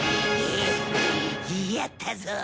やったぞ！